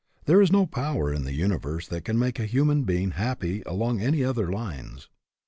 There is no power in the universe that can make a human being happy along any other lines.